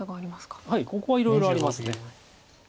ここはいろいろあります。